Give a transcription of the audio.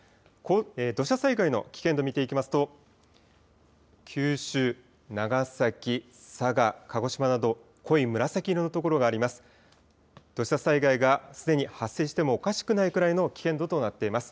土砂災害の危険度見ていきますと九州、長崎、佐賀、鹿児島など濃い紫色の所があります。